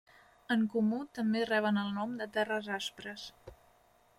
En comú també reben el nom de Terres Aspres.